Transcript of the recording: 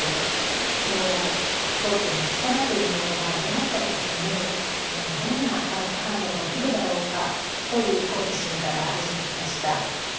この造形の力というものが出会ったときにどんな化学反応が起きるだろうかという好奇心から始まりました。